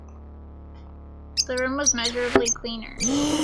The room was measurably cleaner.